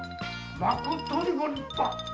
まことにご立派。